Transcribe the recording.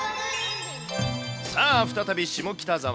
さあ、再び下北沢。